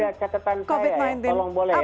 ada catatan saya ya tolong boleh ya